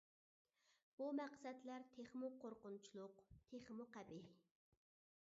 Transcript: بۇ مەقسەتلەر تېخىمۇ قورقۇنچلۇق، تېخىمۇ قەبىھ.